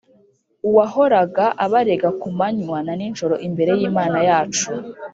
uwahoraga abarega ku manywa na n'ijoro imbere y'Imana yacu